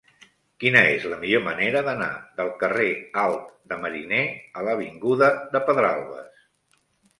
Quina és la millor manera d'anar del carrer Alt de Mariner a l'avinguda de Pedralbes?